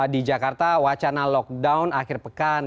di jakarta wacana lockdown akhir pekan